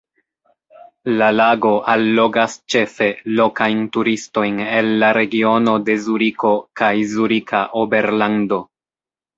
La lago allogas ĉefe lokajn turistojn el la regiono de Zuriko kaj Zurika Oberlando.